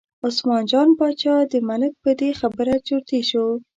عثمان جان باچا د ملک په دې خبره چرتي شو.